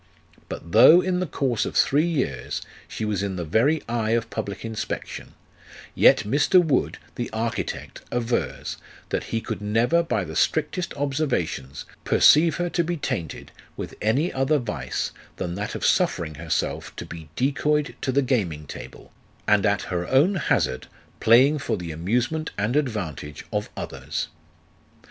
But though in the course of three years she was in the very eye of public inspection, yet Mr. Wood, the architect, avers, that he could never, by the strictest observations, perceive her to be tainted with any other vice than that of suffering herself to be decoyed to the gaming table, and at her own hazard playing for the amusement and advantage of others.